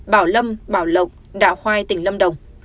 bảo lâm bảo lộc đạo hoai tỉnh lâm đồng